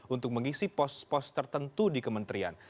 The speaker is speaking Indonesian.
untuk mengisi pos pos tertentu di kementerian